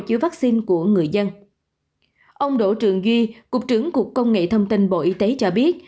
chiếu vắc xin của người dân ông đỗ trường duy cục trưởng cục công nghệ thông tin bộ y tế cho biết